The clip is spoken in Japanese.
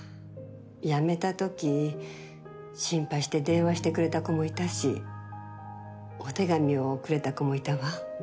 辞めたとき心配して電話してくれた子もいたしお手紙をくれた子もいたわ。